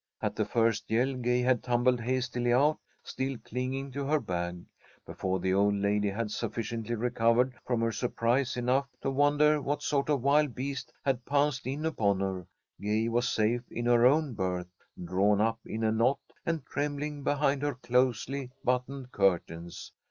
At the first yell, Gay had tumbled hastily out, still clinging to her bag. Before the old lady had sufficiently recovered from her surprise enough to wonder what sort of a wild beast had pounced in upon her, Gay was safe in her own berth, drawn up in a knot, and trembling behind her closely buttoned curtains.